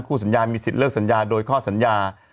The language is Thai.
สัญญามีสิทธิเลิกสัญญาโดยข้อสัญญา